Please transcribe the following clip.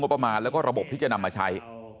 ประมาณแล้วก็ระบบที่จะนำมาใช้